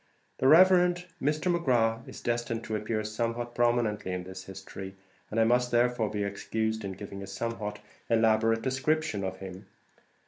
The Rev. Mr. McGrath is destined to appear somewhat prominently in this history, and I must therefore be excused in giving a somewhat elaborate description of him.